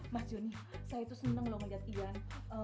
mas joni saya tuh seneng loh ngeliat ian